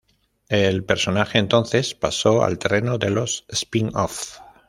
El personaje entonces pasó al terreno de los spin-offs.